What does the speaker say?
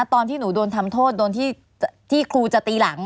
ตอนที่หนูโดนทำโทษโดนที่ครูจะตีหลัง